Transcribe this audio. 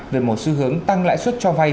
về một xu hướng tăng lãi suất cho vay